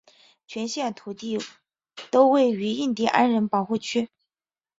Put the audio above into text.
全县土地都位于印地安人保护区内。